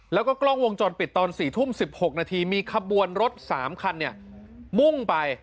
แล้วก็กล้องวงจรปิดตอน๔ทุ่ม๑๖นาทีมีขบวนรถ๓คันมุ่งไป